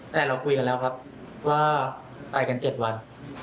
แต่เราคุยกันแล้วครับว่าไปกัน๗วัน